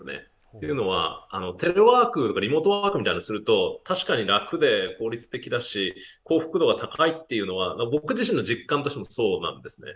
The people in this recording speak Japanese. というのは、テレワークやリモートワークみたいにすると確かに楽だし幸福度は高いというのは僕自身の実感としてもそうなんですね。